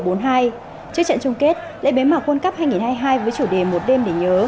trước trận chung kết lễ bế mạc world cup hai nghìn hai mươi hai với chủ đề một đêm để nhớ